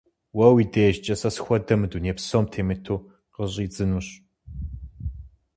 Уэ уи дежкӀэ сэ схуэдэ мы дуней псом темыту къыщӀидзынущ.